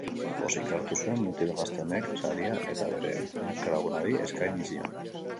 Pozik hartu zuen mutil gazte honek saria eta bere neska-lagunari eskaini zion.